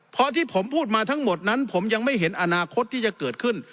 เพราะที่ผมพูดมาทั้งหมดนั้นผมยังไม่เห็นอนาคตที่จะเกิดขึ้น